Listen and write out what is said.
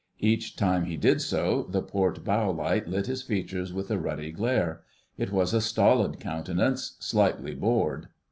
Each time he did so the port bow light lit his features with a ruddy glare. It was a stolid countenance, slightly bored.